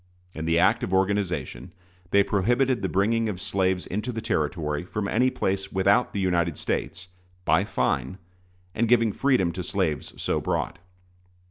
In the act of organization they prohibited the bringing of slaves into the Territory from any place without the United States, by fine, and giving freedom to slaves so brought.